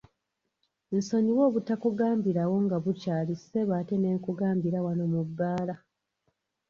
Nsonyiwa obutakugambirawo nga bukyali ssebo ate ne nkugambira wano mu bbaala.